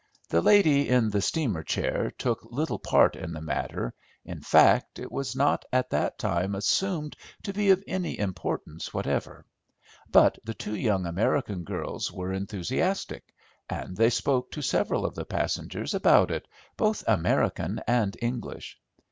The lady in the steamer chair took little part in the matter, in fact it was not at that time assumed to be of any importance whatever; but the two young American girls were enthusiastic, and they spoke to several of the passengers about it, both American and English.